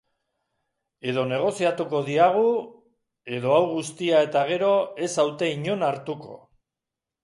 Edo negoziatuko diagu... edo hau guztia eta gero ez haute inon hartuko.